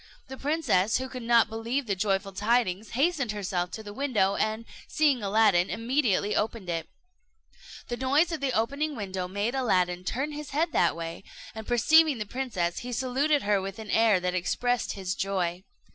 The princess, who could not believe the joyful tidings, hastened herself to the window, and seeing Aladdin, immediately opened it. The noise of opening the window made Aladdin turn his head that way, and perceiving the princess, he saluted her with an air that expressed his joy.